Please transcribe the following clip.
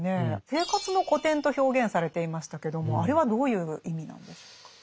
「生活の古典」と表現されていましたけどもあれはどういう意味なんでしょうか。